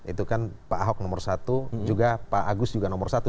itu kan pak ahok nomor satu juga pak agus juga nomor satu